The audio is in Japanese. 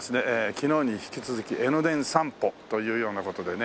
昨日に引き続き江ノ電散歩というような事でね。